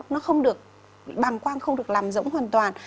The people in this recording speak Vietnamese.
nó không được bằng quang không được làm rỗng hoàn toàn